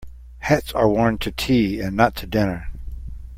Hats are worn to tea and not to dinner.